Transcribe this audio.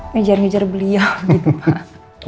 ngejar ngejar beliau gitu